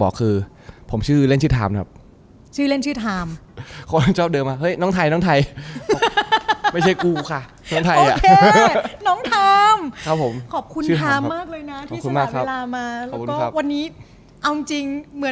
ก็คือตามไทยเป็นชื่อพ่อ